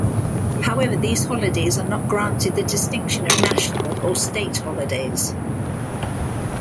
However, these holidays are not granted the distinction of national or state holidays.